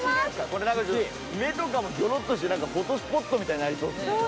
これ目とかもギョロっとしてフォトスポットみたいになりそう。